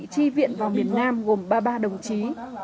tri viện vào miền nam gồm ba mươi ba đồng chí